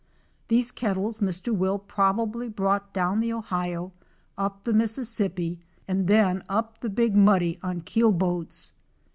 These kettles Mr. Will probably brought down the Ohio, up the Mississippi and then up the Big Muddy on keel boats.